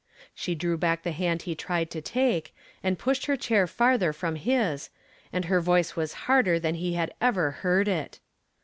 She drew back the hand he tried to take, and pushed her chair farther from his, and her voice was harder than he had ever heard it.